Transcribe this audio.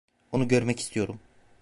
Onu görmek istiyorum.